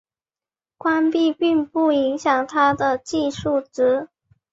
关闭并不影响它的计数值。